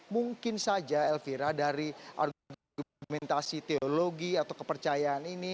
mungkin saja elvira dari argumentasi teologi atau kepercayaan ini